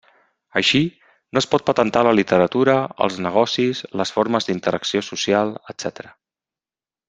Així, no es pot patentar la literatura, els negocis, les formes d'interacció social, etc.